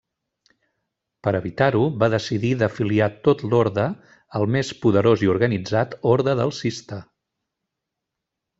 Per evitar-ho, va decidir d'afiliar tot l'orde al més poderós i organitzat Orde del Cister.